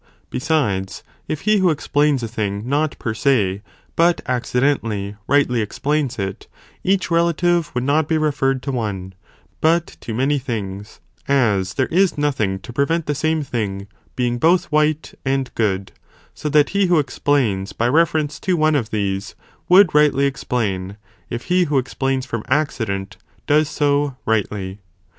. Besides, if he who explains a thing not per se, but accidentally, rightly explains it, each relative would not be referred to one, but to many things, as there is nothing to prevent the same thing, being both white, and good, so that he who explains by reference to one of these, would rightly explain, if he who explains from accident, does so rightly.